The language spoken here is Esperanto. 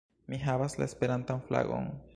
Mi havas la Esperantan flagon!